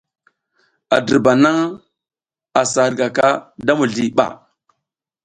A dirba nang a sa hidkaka da mizli ɓa.